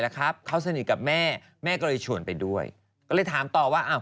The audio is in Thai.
แล้วครับเขาสนิทกับแม่แม่ก็เลยชวนไปด้วยก็เลยถามต่อว่าอ้าว